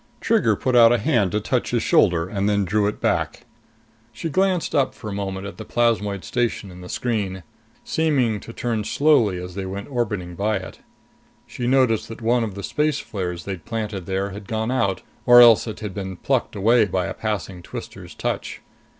Trigger put out a hand to touch his shoulder and then drew it back. She glanced up for a moment at the plasmoid station in the screen, seeming to turn slowly as they went orbiting by it. She noticed that one of the space flares they'd planted there had gone out, or else it had been plucked away by a passing twister's touch.